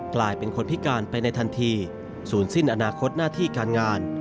กลายเป็นคนพิการไปในทันทีศูนย์สิ้นอนาคตหน้าที่การงาน